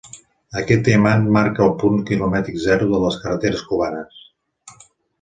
Aquest diamant marca el punt quilomètric zero de les carreteres cubanes.